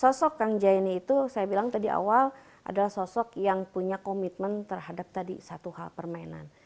sosok kang jaini itu saya bilang tadi awal adalah sosok yang punya komitmen terhadap tadi satu hal permainan